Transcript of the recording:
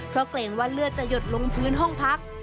เพราะเกรงว่าเลือดจะหยดลงพื้นห้องพัก